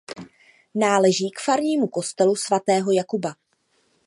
Náleží k farnímu kostelu svatého Jakuba.